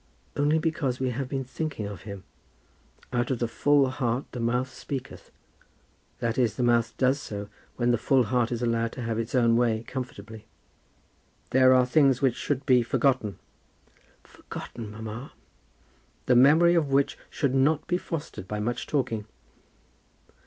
"Only because we have been thinking of him. Out of the full heart the mouth speaketh; that is, the mouth does so when the full heart is allowed to have its own way comfortably." "There are things which should be forgotten." "Forgotten, mamma!" "The memory of which should not be fostered by much talking."